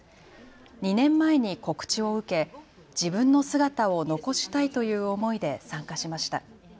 ２年前に告知を受け、自分の姿を残したいという思いで参加しました。